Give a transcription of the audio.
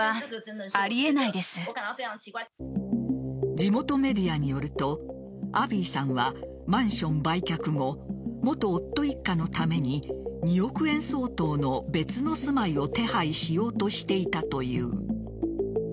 地元メディアによるとアビーさんはマンション売却後元夫一家のために２億円相当の別の住まいを手配しようとしていたという。